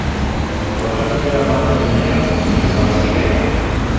Rastiya rast tune ye, nîvrastî heye.